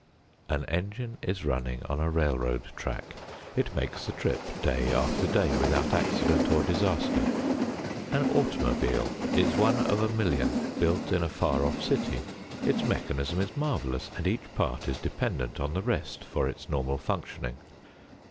An engine is running on a railroad track. It makes the trip day after day without accident or disaster. An automobile is one of a million built in a far off city. Its mechanism is marvelous, and each part is dependent on the rest for its normal functioning.